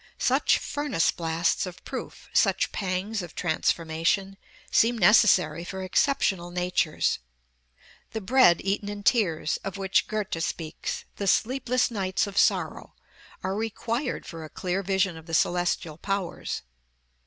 Such furnace blasts of proof, such pangs of transformation, seem necessary for exceptional natures. The bread eaten in tears, of which Goethe speaks, the sleepless nights of sorrow, are required for a clear vision of the celestial powers.